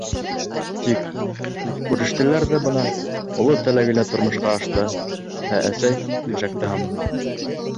Тик... күрештеләр ҙә бына, оло теләге лә тормошҡа ашты, ә әсәй түшәктә һаман.